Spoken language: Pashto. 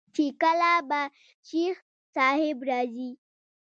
چې کله به شيخ صاحب راځي.